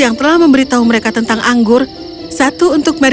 langsung untuk memberikan radio antisipasi khurniak untuk magisae